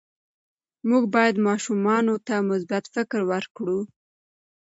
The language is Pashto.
موږ باید ماشومانو ته مثبت فکر ورکړو.